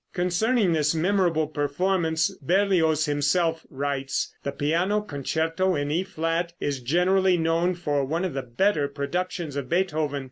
Concerning this memorable performance Berlioz himself writes: "The piano concerto in E flat is generally known for one of the better productions of Beethoven.